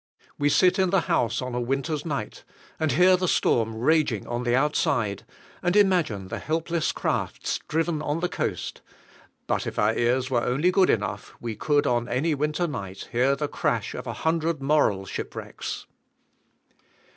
We sit in the house on a winter's night, and hear the storm raging on the outside, and imagine the helpless crafts driven on the coast; but if our ears were only good enough, we could, on any winter night, hear the crash of a hundred moral shipwrecks.